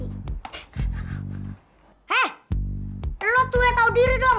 eh lo tuh yang tahu diri dong